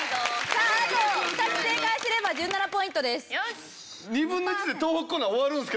さああと２つ正解すれば１７ポイントです。